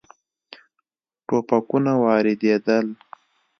ټوپکونه واردېدل.